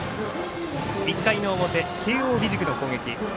１回の表、慶応義塾の攻撃。